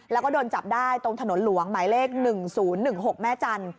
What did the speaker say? แล้วก็โดนจับได้ตรงถนนหลวงหมายเลข๑๐๑๖แม่จันทร์